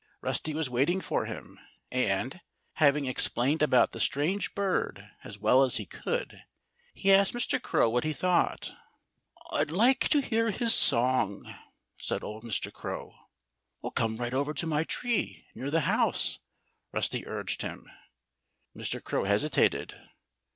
Rusty was waiting for him. And, having explained about the strange bird as well as he could, he asked Mr. Crow what he thought. "I'd like to hear his song," said old Mr. Crow. "Come right over to my tree near the house!" Rusty urged him. Mr. Crow hesitated.